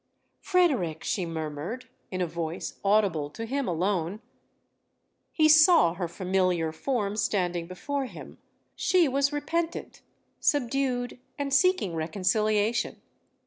"Frederic!" she murmured, in a voice audible to him alone. He saw her familiar form standing before him. She was repentant, subdued, and seeking reconciliation.